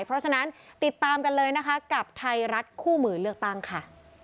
เพราะฉะนั้นติดตามกันเลยนะคะกับไทยรัฐคู่มือเลือกตั้งค่ะ